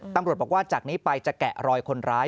ตำรวจบอกว่าจากนี้ไปจะแกะรอยคนร้าย